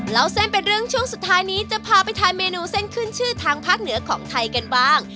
เล่าเส้นเป็นเรื่องช่วงสุดท้ายนี้จะพาไปทานเมนูเส้นขึ้นชื่อทางภาคเหนือของไทยกันบ้าง